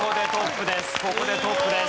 ここでトップです